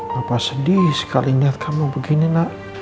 papa sedih sekali lihat kamu begini nak